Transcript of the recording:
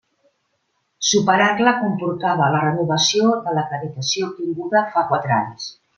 Superar-la comportava la renovació de l'acreditació obtinguda fa quatre anys.